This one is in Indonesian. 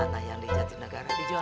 tanah yang dijadinya negara dijual kan